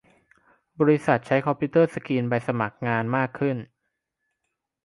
บริษัทใช้คอมพิวเตอร์สกรีนใบสมัครงานมากขึ้น